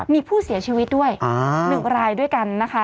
มีผู้เสียชีวิตด้วย๑รายด้วยกันนะคะ